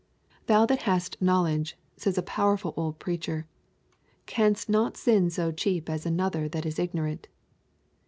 'Thou that hast knowledge,' says a powerful old preacher, 'canst not sin so cheap as another that is ignorant.